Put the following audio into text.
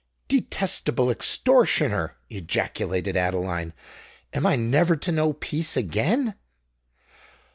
"Detestable extortioner!" ejaculated Adeline: "am I never to know peace again?"